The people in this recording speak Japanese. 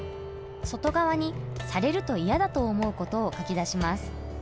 外側に「されると嫌だと思うこと」を書き出します。